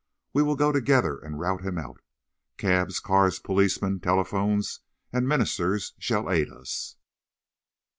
We will go together and rout him out. Cabs, cars, policemen, telephones and ministers shall aid us."